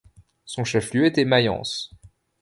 Son chef-lieu était Mayence.